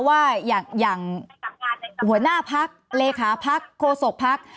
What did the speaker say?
ว่าอย่างหัวหน้าพักธุ์เลขาพักธุ์โฆษกธุ์พักธุ์